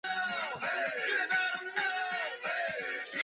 尚帕涅勒塞克人口变化图示